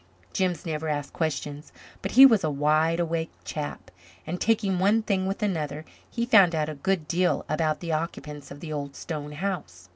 Jims never asked questions but he was a wide awake chap, and, taking one thing with another, he found out a good deal about the occupants of the old stone house.